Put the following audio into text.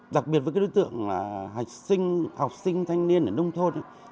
đặc biệt với đối tượng là học sinh thanh niên ở nông thôn